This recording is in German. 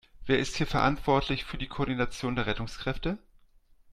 Wer ist hier verantwortlich für die Koordination der Rettungskräfte?